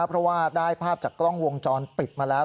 เพราะว่าได้ภาพจากกล้องวงจรปิดมาแล้ว